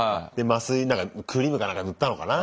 麻酔クリ−ムかなんか塗ったのかな。